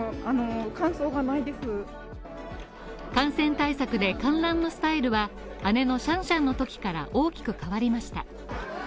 感染対策で観覧のスタイルは、姉のシャンシャンのときから大きく変わりました。